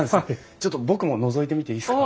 ちょっと僕ものぞいてみていいですか？